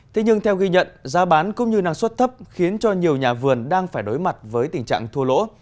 thế nhưng theo ghi nhận giá bán cũng như năng suất thấp khiến cho nhiều nhà vườn đang phải đối mặt với tình trạng thua lỗ